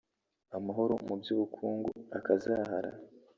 amahoro mu by’ubukungu akazahara